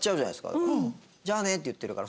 「じゃあね」って言ってるから。